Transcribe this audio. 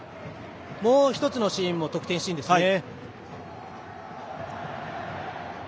もう一つのシーンも得点シーンですね。